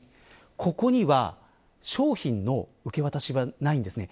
ここには商品の受け渡しがないんですね。